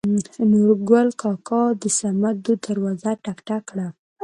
نورګل کاکا د سمدو دروازه ټک ټک کړه.